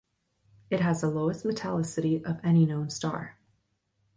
It has the lowest metallicity of any known star.